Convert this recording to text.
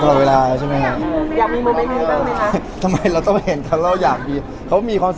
อื้อหวังอะไรครับครับตลาดเวลาเนี้ยฮะใช่ไหม